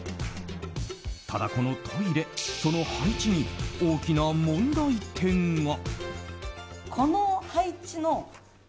ただ、このトイレその配置に大きな問題点が。